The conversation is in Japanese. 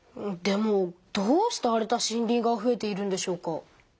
でもどうして荒れた森林がふえているんでしょうか？